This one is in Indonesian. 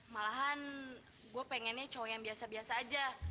malahan gue pengennya cowok yang biasa biasa aja